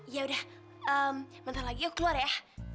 ya udah sebentar lagi aku keluar ya